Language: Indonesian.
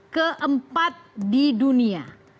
keempat di dunia